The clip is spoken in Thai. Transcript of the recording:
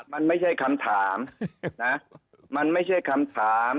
มันไม่ใช่คำถามนะมันไม่ใช่คำถาม